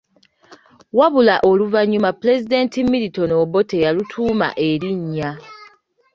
Wabula oluvannyuma Pulezidenti Milton Obote yalutuuma erinnya.